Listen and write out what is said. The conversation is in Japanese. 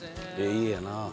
家やなぁ